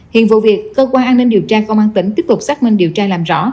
hiện vụ việc cơ quan an ninh điều tra công an tỉnh tiếp tục xác minh điều tra làm rõ